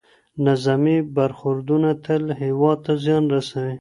نظامي برخوردونه تل هېواد ته زیان رسوي.